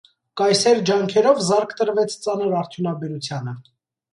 Կայսեր ջանքերով զարկ տրվեց ծանր արդյունաբերությանը։